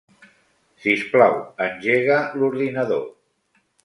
Sisplau, engega l'ordinador.